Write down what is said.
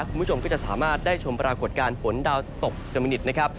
คุณผู้ชมก็จะสามารถได้ชมปรากฏการณ์ฝนดาวตกจอมมินิตนะครับ